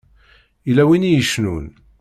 Yella win i icennun.